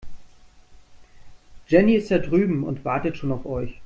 Jenny ist da drüben und wartet schon auf euch.